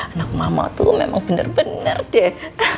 anak mama tuh memang bener bener deh